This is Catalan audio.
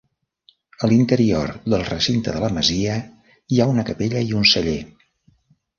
A l'interior del recinte de la masia hi ha una capella i un celler.